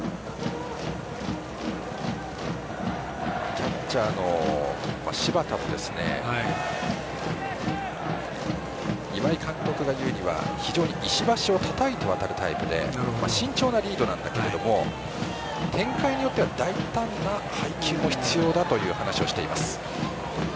キャッチャーの柴田も岩井監督が言うには非常に石橋をたたいて渡るタイプで展開によっては大胆な配球も必要だという話をしています。